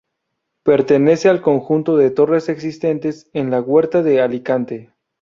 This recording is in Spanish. Pertenece al conjunto de torres existentes en la huerta de Alicante.